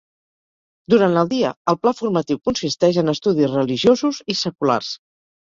Durant el dia, el pla formatiu consisteix en estudis religiosos i seculars.